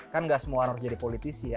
kan gak semua harus jadi politisi ya